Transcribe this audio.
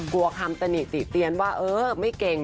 กลัวคำตะนิติเตียนว่าเออไม่เก่ง